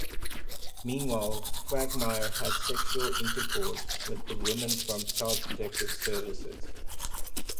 Meanwhile, Quagmire has sexual intercourse with the woman from Child Protective Services.